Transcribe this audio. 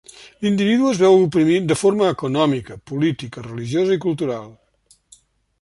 L'individu es veu oprimit de forma econòmica, política, religiosa, i cultural.